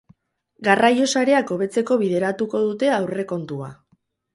Garraio sareak hobetzeko bideratuko dute aurrekontua.